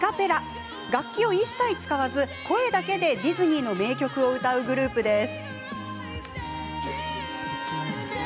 楽器を一切使わず声だけでディズニーの名曲を歌うグループです。